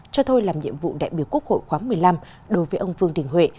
cho thôi làm nhiệm vụ đại biểu quốc hội khóa một mươi năm đối với ông vương đình huệ